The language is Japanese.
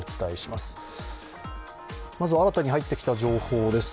まずは新たに入ってきた情報です。